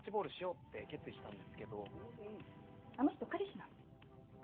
あの人彼氏なの。